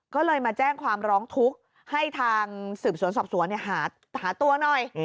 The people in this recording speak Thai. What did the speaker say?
ก็เลยมาแจ้งความร้องทุกข์ให้ทางสืบสวนสอบสวนหาตัวหน่อย